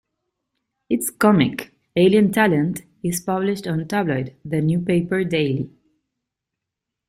Its comic, "Alien Talent", is published on tabloid "The New Paper" daily.